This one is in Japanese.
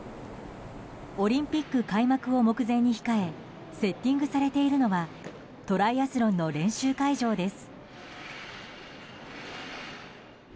オリンピック開幕を目前に控えセッティングされているのはトライアスロンの練習会場です。